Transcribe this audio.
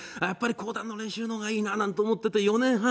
講談の練習の方がいいと思って４年半。